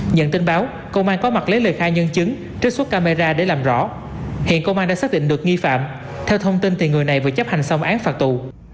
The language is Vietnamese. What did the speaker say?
nhận tin báo công an có mặt lấy lời khai nhân chứng trích xuất camera để làm rõ hiện công an đã xác định được nghi phạm theo thông tin thì người này vừa chấp hành xong án phạt tù